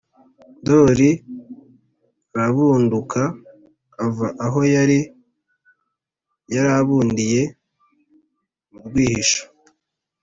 ndori arabunduka (ava aho yari yarabundiye: mu rwihisho)